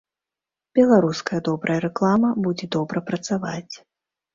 Беларуская добрая рэклама будзе добра працаваць.